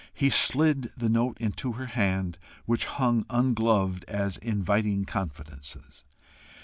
He slid the note into her hand, which hung ungloved as inviting confidences.